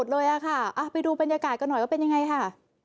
เร็วสิมันจะลายค่ะ